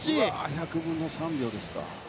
１００分の３秒ですか。